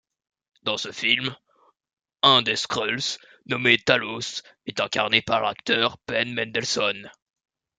Dans ce film, un des Skrulls, nommé Talos, est incarné par l'acteur Ben Mendelsohn.